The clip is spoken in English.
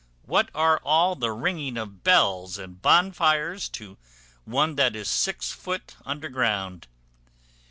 What are all the ringing of bells, and bonfires, to one that is six foot under ground?